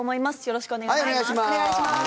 よろしくお願いします。